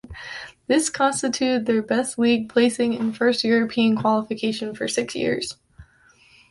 This constituted their best league placing and first European qualification for six years.